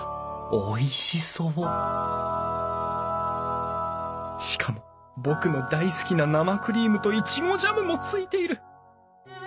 おいしそうしかも僕の大好きな生クリームといちごジャムもついている。